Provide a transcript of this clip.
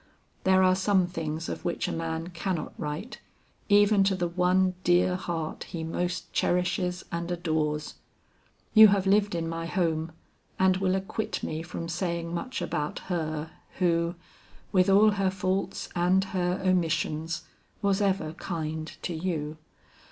There are some things of which a man cannot write even to the one dear heart he most cherishes and adores. You have lived in my home, and will acquit me from saying much about her who, with all her faults and her omissions, was ever kind to you.